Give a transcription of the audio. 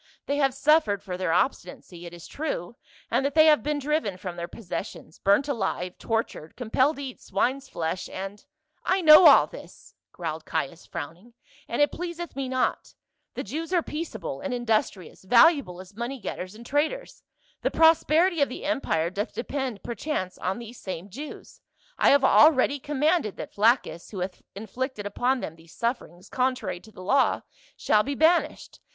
" They have suffered for their obstinacy, it is true, in that they have been driven from their possessions, burnt alive, tortured, compelled to eat swine's flesh, and —" "I know all this," growled Caius frowning, "and it pleaseth me not : the Jews are peaceable and indus trious, valuable as money getters and traders ; the prosperity of the empire doth depend, perchance, on these same Jews. I have already commanded that Flaccus, who hath inflicted upon them these sufferings contrary to the law, shall be banished.